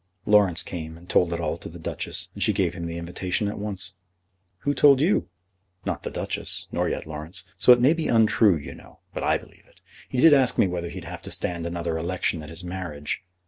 "Laurence came and told it all to the Duchess, and she gave him the invitation at once." "Who told you?" "Not the Duchess, nor yet Laurence. So it may be untrue, you know; but I believe it. He did ask me whether he'd have to stand another election at his marriage.